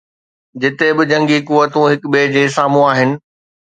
جتي ٻه جنگي قوتون هڪ ٻئي جي سامهون آهن.